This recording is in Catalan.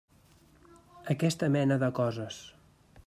Aquesta mena de coses.